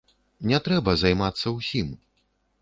Не трэба займацца ўсім.